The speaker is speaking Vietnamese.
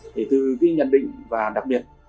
thì từ cái nhận định và đặc biệt